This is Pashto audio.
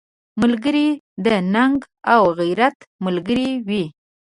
ملګری د ننګ او غیرت ملګری وي